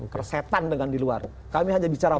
kersetan dengan di luar kami hanya bicara